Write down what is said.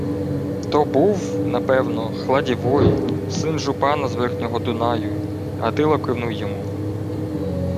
То був, напевно, Хладівой, син жупана з верхнього Дунаю, й Гатило кивнув йому.